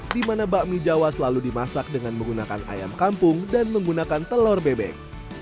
di mana bakmi jawa selalu dimasak dengan menggunakan ayam kampung dan menggunakan telur bebek